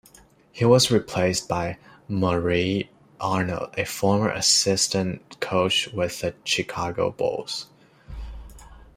He was replaced by Murray Arnold, a former assistant coach with the Chicago Bulls.